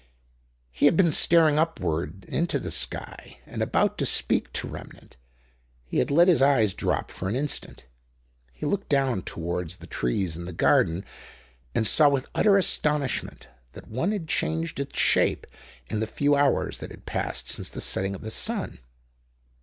He had been staring upward into the sky, and, about to speak to Remnant, he had let his eyes drop for an instant. He looked down towards the trees in the garden, and saw with utter astonishment that one had changed its shape in the few hours that had passed since the setting of the sun.